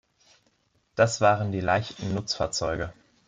Das waren die leichten Nutzfahrzeuge.